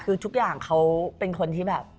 คือทุกอย่างเขาเป็นคนที่แบบ